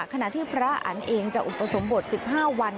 ขณะที่พระอันต์เองจะอุปสมบท๑๕วัน